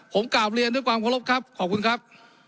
ผมกราบเรียนด้วยความเคารพครับขอบคุณครับ